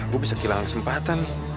gua bisa kehilangan kesempatan